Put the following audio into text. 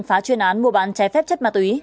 phá chuyên án mua bán trái phép chất ma túy